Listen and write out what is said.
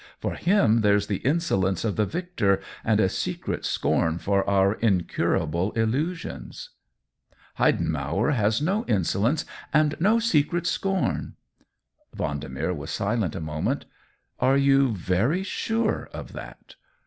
* For him there's the insolence of the victor and a secret scorn for our incurable illu sions !'" "Heidenmauer has no insolence and no secret scorn." Vendemer was silent a moment. " Are you very sure of that